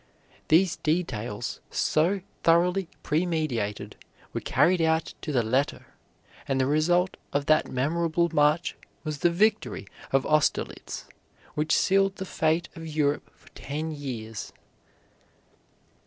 These details, so thoroughly premeditated, were carried out to the letter, and the result of that memorable march was the victory of Austerlitz, which sealed the fate of Europe for ten years.